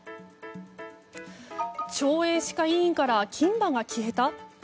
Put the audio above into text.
町営歯科医院から金歯が消えた？